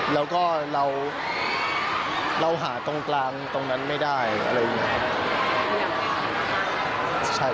แล้วก็เราหาตรงกลางตรงนั้นไม่ได้อะไรอย่างนี้ครับ